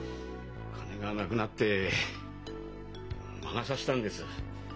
金がなくなって魔が差したんです。